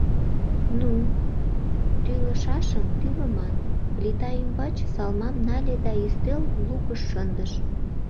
— Ну, тӱлышашым тӱлыман, — плита ӱмбач салмам нале да ӱстел лукыш шындыш.